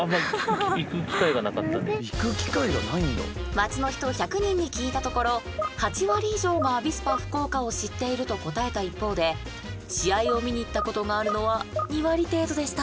街の人１００人に聞いたところ８割以上がアビスパ福岡を知っていると答えた一方で試合を見に行ったことがあるのは２割程度でした。